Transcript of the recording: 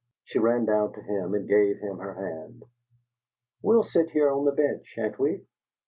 She ran down to him and gave him her hand. "We'll sit here on the bench, sha'n't we?"